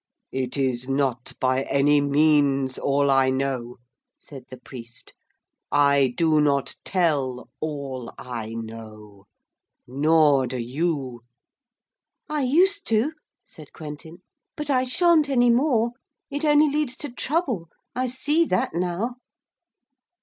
'It is not by any means all I know,' said the priest. 'I do not tell all I know. Nor do you.' 'I used to,' said Quentin, 'but I sha'n't any more. It only leads to trouble I see that now.'